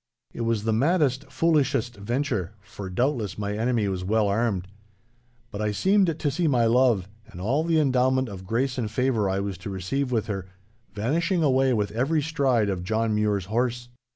It was the maddest, foolishest venture, for doubtless my enemy was well armed. But I seemed to see my love, and all the endowment of grace and favour I was to receive with her, vanishing away with every stride of John Mure's horse.